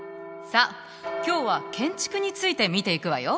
さあ今日は建築について見ていくわよ。